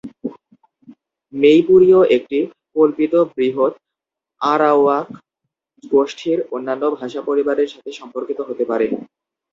মেইপুরীয় একটি কল্পিত বৃহৎ-আরাওয়াক গোষ্ঠীর অন্যান্য ভাষা পরিবারের সাথে সম্পর্কিত হতে পারে।